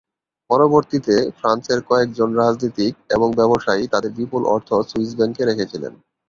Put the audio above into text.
পরবর্তীতে, ফ্রান্সের কয়েকজন রাজনীতিক এবং ব্যবসায়ী তাদের বিপুল অর্থ সুইস ব্যাংকে রেখেছিলেন।